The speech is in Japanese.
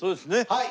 はい。